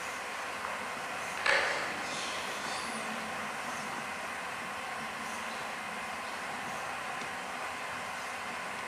其先史时代可分为土器出现以前的后期旧石器时代和土器出现之后的贝冢时代。